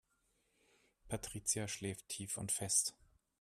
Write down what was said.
Patricia schläft tief und fest.